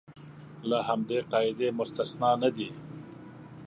له همدې قاعدې مستثنی نه دي.